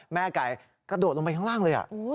แม่ไก่กระโดดลงไปข้างล่างเลย